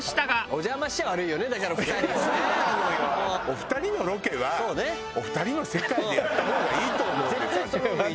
お二人のロケはお二人の世界でやった方がいいと思うんです私。